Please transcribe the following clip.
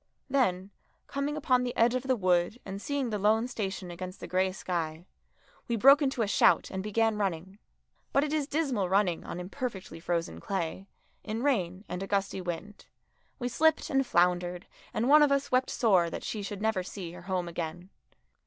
Then, coming upon the edge of the wood and seeing the lone station against the grey sky, we broke into a shout and began running. But it is dismal running on imperfectly frozen clay, in rain and a gusty wind. We slipped and floundered, and one of us wept sore that she should never see her home again.